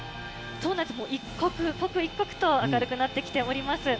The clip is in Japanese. そうなんです、一刻、刻一刻と明るくなってきております。